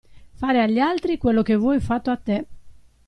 Fare agli altri quello che vuoi fatto a te.